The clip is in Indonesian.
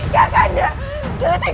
kakaknya kejam seperti ini